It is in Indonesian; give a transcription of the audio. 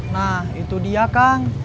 nah itu dia kang